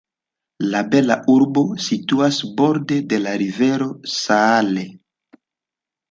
La bela urbo situas borde de la rivero Saale.